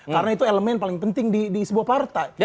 karena itu elemen paling penting di sebuah partai